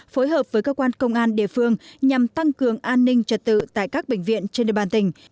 phối hợp với cơ quan công an địa phương nhằm tăng cường an ninh trật tự tại các bệnh viện trên địa bàn tỉnh